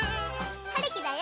はるきだよ。